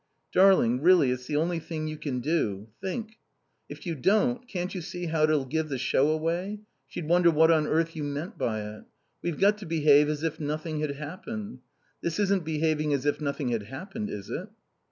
"Darling, really it's the only thing you can do. Think. If you don't, can't you see how it'll give the show away? She'd wonder what on earth you meant by it. We've got to behave as if nothing had happened. This isn't behaving as if nothing had happened, is it?"